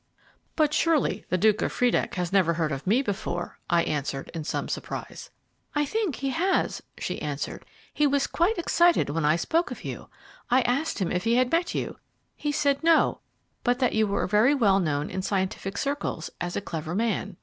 "But surely the Duke of Friedeck has never heard of me before?" I answered, in some surprise. "I think he has," she answered. "He was quite excited when I spoke of you. I asked him if he had met you; he said 'No,' but that you were very well known in scientific circles as a clever man.